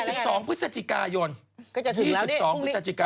อันนี้เขาตอบที่งานค่ะ